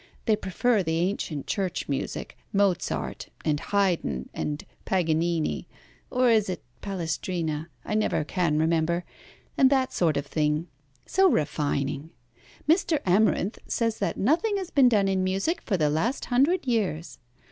They prefer the ancient church music, Mozart and Haydn and Paganini, or is it Palestrina? I never can remember and that sort of thing, so refining. Mr. Amarinth says that nothing has been done in music for the last hundred years.